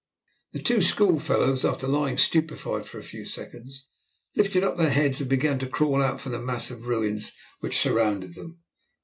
The two schoolfellows, after lying stupefied for a few seconds, lifted up their heads and began to crawl out from the mass of ruins which surrounded them.